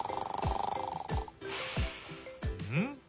うん？